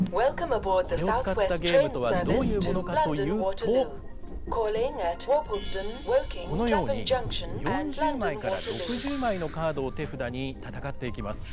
これを使ったゲームとはどういうものかというとこのように４０枚から６０枚のカードを手札に戦っていきます。